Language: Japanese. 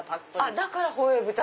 だからホエー豚！